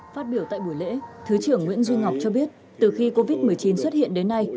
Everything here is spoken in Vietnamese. phát biểu tại buổi lễ thứ trưởng nguyễn duy ngọc cho biết từ khi covid một mươi chín xuất hiện đến nay